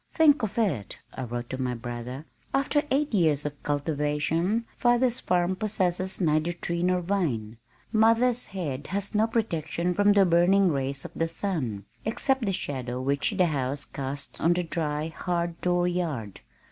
"Think of it!" I wrote to my brother. "After eight years of cultivation, father's farm possesses neither tree nor vine. Mother's head has no protection from the burning rays of the sun, except the shadow which the house casts on the dry, hard door yard.